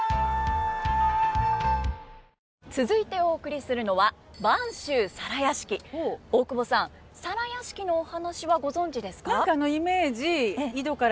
続いてお送りするのは大久保さん「皿屋敷」のお話はご存じですか？